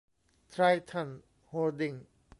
ไทรทัน โฮลดิ้ง